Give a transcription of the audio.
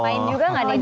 main juga nggak nida